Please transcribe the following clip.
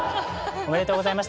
おめでとうございます！